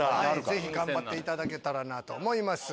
ぜひ頑張っていただけたらと思います。